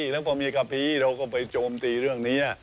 แล้วพอมีกะพีเราก็ไปโจมตีเรื่องนี้